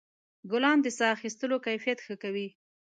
ګلان د ساه اخیستلو کیفیت ښه کوي.